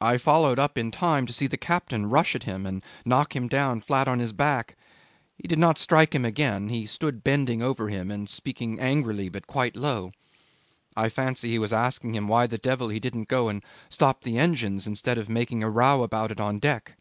I followed up in time to see the captain rush at him and knock him down flat on his back. He did not strike him again: he stood bending over him and speaking angrily but quite low. I fancy he was asking him why the devil he didn't go and stop the engines, instead of making a row about it on deck.